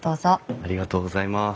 ありがとうございます。